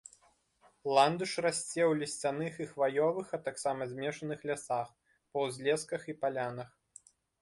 Ландыш расце ў лісцяных і хваёвых, а таксама змешаных лясах, па ўзлесках і палянах.